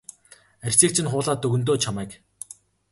Арьсыг чинь хуулаад өгнө дөө чамайг.